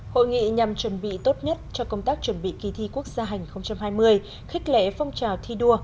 hội nghị nhằm chuẩn bị tốt nhất cho công tác chuẩn bị kỳ thi quốc gia hành hai mươi khích lệ phong trào thi đua